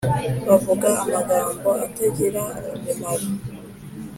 Bavuga amagambo atagira umumaro